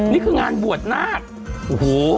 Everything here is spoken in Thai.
นี่คืองานบวชนาคโอ้โห